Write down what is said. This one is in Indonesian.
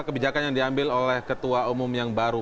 kebijakan yang diambil oleh ketua umum yang baru